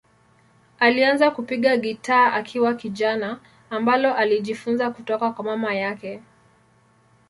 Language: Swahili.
Alianza kupiga gitaa akiwa kijana, ambalo alijifunza kutoka kwa mama yake.